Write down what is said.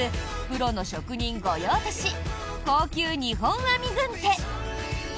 プロの職人御用達高級２本編軍手。